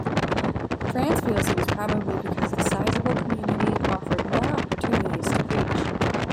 France feels it was probably because the sizeable community offered more opportunities to preach.